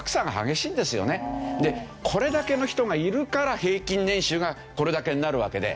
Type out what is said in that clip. でこれだけの人がいるから平均年収がこれだけになるわけで。